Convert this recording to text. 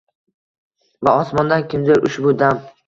Va osmondan kimdir ushbu dam